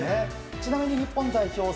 ちなみに日本代表